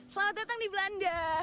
selamat datang di belanda